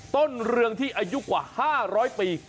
ต้นเรืองที่อายุกว่า๕๐๐ปี